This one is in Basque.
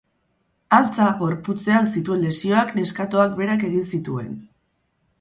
Antza, gorputzean zituen lesioak neskatoak berak egin zituen.